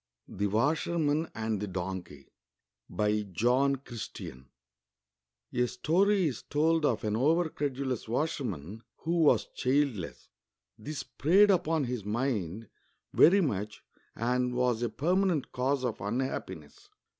THE WASHEIC\L\X .\XD THE DONKEY BY JOHN CHRI5TL\N A STORY 15 told of an over credulous washerman who was childless. This preyed upon his mind very much and was a pennanent cause of unhappiness.